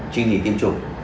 chuyên thị tiêm chủ